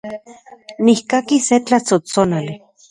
Nikkakis se tlatsotsonali